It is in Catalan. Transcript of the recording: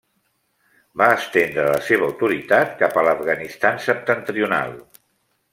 Va estendre la seva autoritat cap a l'Afganistan septentrional.